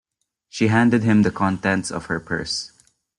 She handed him the contents of her purse.